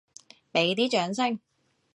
畀啲掌聲！